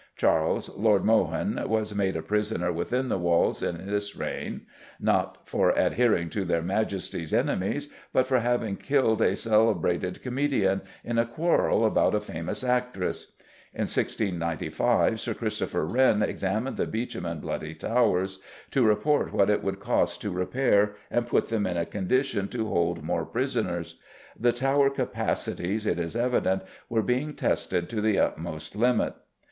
Charles, Lord Mohun, was made a prisoner within the walls in this reign, not for "adhering to their Majesties' enemies" but for having killed a celebrated comedian, in a quarrel about a famous actress. In 1695 Sir Christopher Wren examined the Beauchamp and Bloody Towers, "to report what it would cost to repaire and putt them in a condition" to hold more prisoners. The Tower capacities, it is evident, were being tested to the utmost limit.